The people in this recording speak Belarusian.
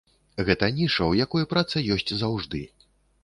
Гэта ніша, у якой праца ёсць заўжды.